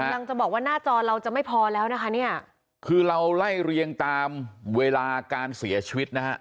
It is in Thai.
กำลังจะบอกว่าหน้าจอเราจะไม่พอแล้วนะคะเนี่ยคือเราไล่เรียงตามเวลาการเสียชีวิตนะฮะ